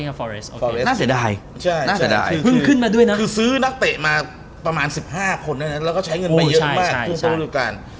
น่าจะได้คือซื้อนักเตะมาประมาณ๑๕คนแล้วก็ใช้เงินมาเยอะมาก